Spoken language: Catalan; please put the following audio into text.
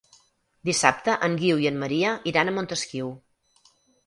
Dissabte en Guiu i en Maria iran a Montesquiu.